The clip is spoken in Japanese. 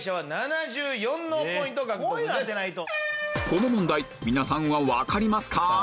この問題皆さんは分かりますか？